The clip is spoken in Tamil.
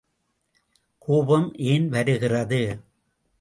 கோபம் ஏன் வருகிறது?